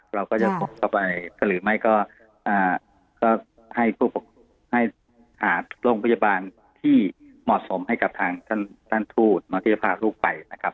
เราก็จะตกเข้าไปหรือไม่ก็ให้หาโรงพยาบาลที่เหมาะสมให้กับทางท่านทูตที่จะพาลูกไปนะครับ